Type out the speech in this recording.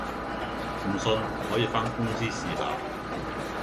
唔信可以番公司試下